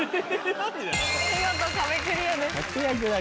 見事壁クリアです。